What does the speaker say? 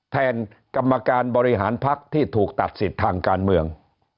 แทนกรรมการบริหารพักที่ถูกตัดสิทธิ์ทางการเมือง